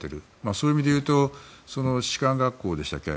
そういう意味で言うと士官学校でしたっけ